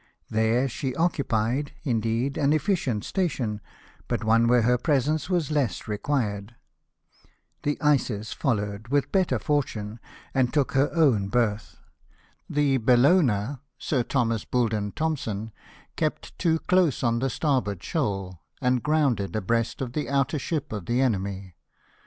There she occupied, indeed, an efficient station, but one where her presence was less required. The Isis followed^ with better fortune, and took her own berth. The Bellona, Sir Thomas Boulden Thompson, kept too close on the starboard shoal, and grounded abreast of the outer ship of the enemy.